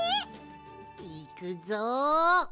いくぞ！